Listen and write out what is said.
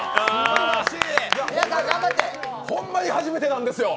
ホンマに初めてなんですよ！